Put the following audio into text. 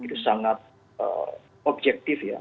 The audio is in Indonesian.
itu sangat objektif ya